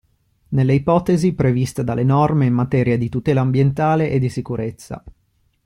Nelle ipotesi previste dalle norme in materia di tutela ambientale e di sicurezza.